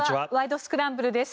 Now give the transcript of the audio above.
スクランブル」です。